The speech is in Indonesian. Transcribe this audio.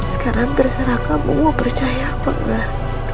sekarang terserah kamu percaya apa enggak